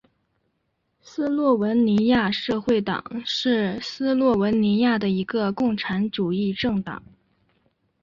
斯洛文尼亚社会党是斯洛文尼亚的一个共产主义政党。